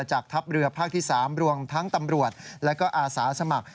จากทัพเรือภาคที่๓รวมทั้งตำรวจและก็อาสาสมัคร